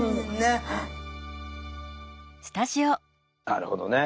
なるほどね。